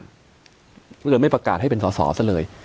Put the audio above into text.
อย่างเดียวไม่ประกาศให้เป็นสอสอบสักเลย